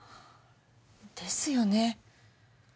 ですよね。